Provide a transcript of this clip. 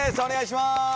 お願いします。